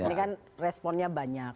ini kan responnya banyak